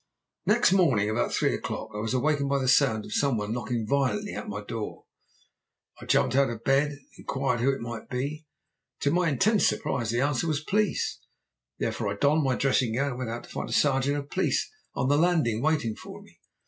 "Next morning, about three o'clock, I was awakened by the sound of some one knocking violently at my door. I jumped out of bed and inquired who it might be. To my intense surprise the answer was 'Police!' I therefore donned my dressing gown, and went out to find a sergeant of police on the landing waiting for me.